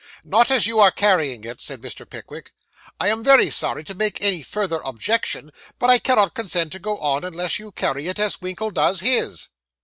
'Not as you are carrying it,' said Mr. Pickwick. 'I am very sorry to make any further objection, but I cannot consent to go on, unless you carry it as Winkle does his.